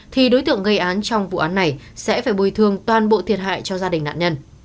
thì đối tượng gây án trong vụ án này sẽ phải bồi thường toàn bộ thiệt hại cho gia đình nạn nhân